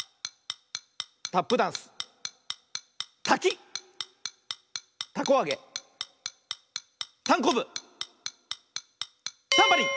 タップダンスたきたこあげたんこぶタンバリン！